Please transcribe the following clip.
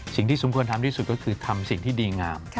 สิ่งที่สมควรทำที่สุดก็คือทำสิ่งที่ดีงาม